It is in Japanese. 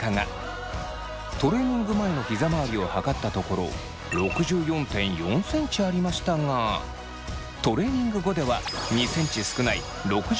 トレーニング前のひざ回りを測ったところ６４．４ｃｍありましたがトレーニング後では２ｃｍ少ない６２．４ｃｍに。